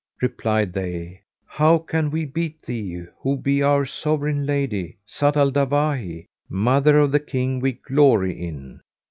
Replied they, "How can we beat thee, who be our sovereign lady, Zat al Dawahi, mother of the King we glory in?"